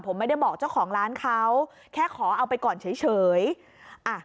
ผมไม่ได้บอกเจ้าของร้านเขาแค่ขอเอาไปก่อนเฉยเฉยอ่ะ